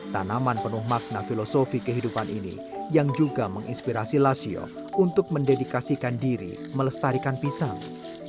tanaman penuh makna filosofi kehidupan ini yang juga menginspirasi lasio untuk mendedikasikan diri melestarikan pisang